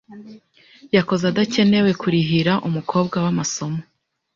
Yakoze adakenewe kurihira umukobwa we amasomo .